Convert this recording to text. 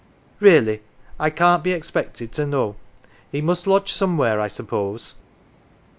"Really, I can^t be expected to know. He must lodge somewhere, I suppose.